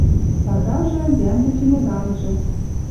Сагажы — йӓмдӹ чемоданжы.